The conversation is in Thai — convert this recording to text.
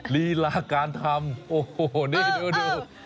ลีลาการทำโอ้โหนี่ดู